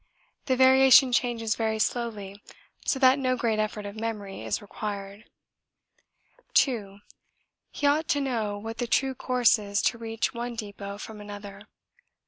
The variation changes very slowly so that no great effort of memory is required. 2. He ought to know what the true course is to reach one depôt from another. 3.